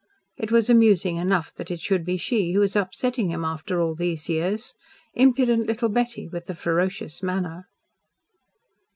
It was amusing enough that it should be she who was upsetting him after all these years impudent little Betty, with the ferocious manner.